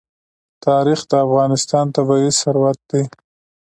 تاریخ د افغانستان طبعي ثروت دی.